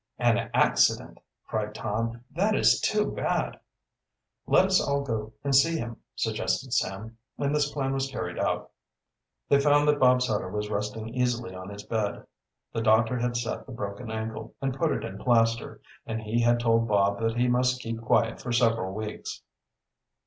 "An accident!" cried Tom. "That is too bad." "Let us all go and see him," suggested Sam, and this plan was carried out. They found that Bob Sutter was resting easily on his bed. The doctor had set the broken ankle, and put it in plaster, and he had told Bob that he must keep quiet for several weeks.